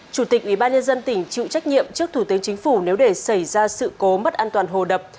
chủ tịch ủy ban nhân dân tỉnh chịu trách nhiệm trước thủ tướng chính phủ nếu để xảy ra sự cố mất an toàn hồ đập